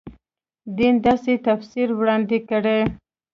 دین داسې تفسیر وړاندې کړو.